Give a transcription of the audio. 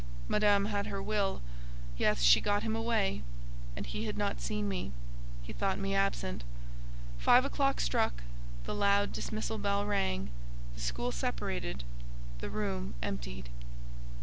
Madame had her will; yes, she got him away, and he had not seen me; he thought me absent. Five o'clock struck, the loud dismissal bell rang, the school separated, the room emptied.